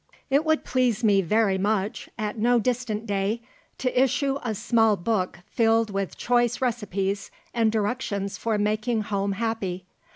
It would please me very much, at no distant day, to issue a small book filled with choice recipes and directions for making home happy.